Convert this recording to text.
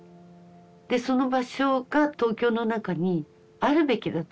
でその場所が東京の中にあるべきだと。